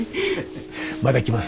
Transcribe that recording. また来ます。